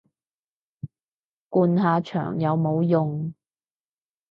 灌下腸有冇用